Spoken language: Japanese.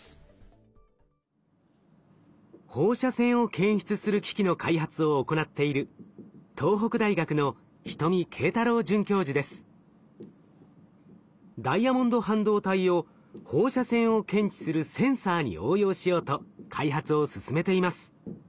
放射線を検出する機器の開発を行っている東北大学のダイヤモンド半導体を放射線を検知するセンサーに応用しようと開発を進めています。